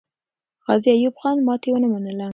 غازي ایوب خان ماتې ونه منله.